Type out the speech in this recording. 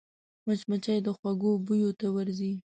مچمچۍ د خوږو بویو ته ورځي